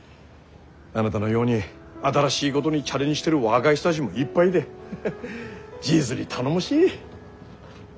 あなたのように新しいごどにチャレンジしてる若い人だぢもいっぱいいで実に頼もしい。